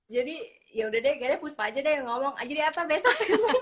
jadi yaudah deh gak ada yang puspa aja yang ngomong jadi apa besok